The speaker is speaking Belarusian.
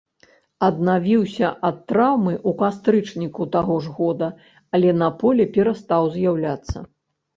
Аднавіўся ад траўмы ў кастрычніку таго ж года, але на полі перастаў з'яўляцца.